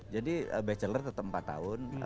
jadi bachelor tetap empat tahun